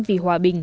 vì hòa bình